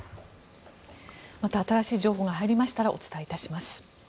また新しい情報が入りましたらお伝えいたします。